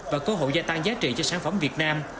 và cơ hội gia tăng giá trị cho sản phẩm việt nam